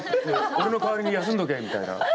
俺の代わりに休んどけみたいな。